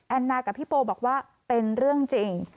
นากับพี่โปบอกว่าเป็นเรื่องจริง